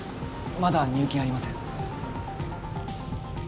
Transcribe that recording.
まだ入金ありません